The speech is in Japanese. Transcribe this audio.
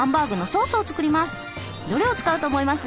どれを使うと思います？